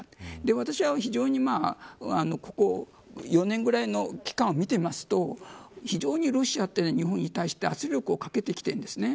私は非常にここ４年ぐらいの期間を見ていると非常にロシアは日本に対して圧力をかけてきてるんです。